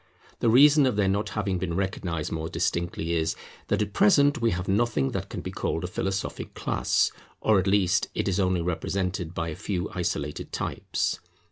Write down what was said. The reason of their not having been recognized more distinctly is, that at present we have nothing that can be called a philosophic class, or at least it is only represented by a few isolated types.